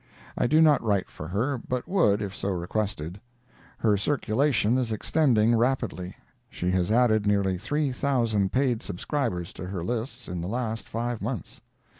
I do not write for her, but would, if so requested. Her circulation is extending rapidly. She has added nearly 3,000 paid subscribers to her lists in the last five months.